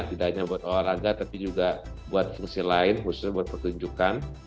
tidak hanya buat olahraga tapi juga buat fungsi lain khususnya buat pertunjukan